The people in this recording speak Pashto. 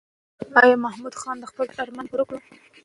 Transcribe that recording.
ایا محمود خان د خپل پلار ارمان پوره کړ؟